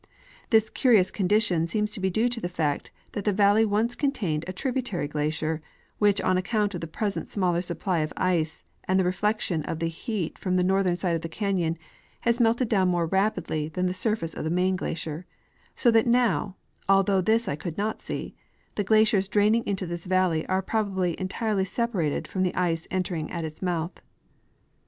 This curious condition seems to be due to the fact that the valley once contained a tributary glacier, which on account of the present smaller supply of ice and the reflection of the heat from the northern side of the canyon has melted down more rapidly than the surface of the main glacier, so that now (although this I could not see) the glaciers draining into this valley are probably entirely separated from the ice enterii^g at its mouth.